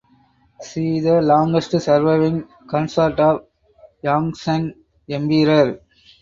She the longest surviving consort of Yongzheng Emperor.